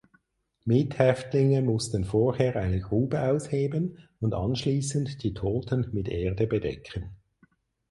Mithäftlinge mussten vorher eine Grube ausheben und anschließend die Toten mit Erde bedecken.